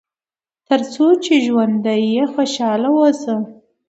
تر څو چې ژوندی یې خوشاله اوسه.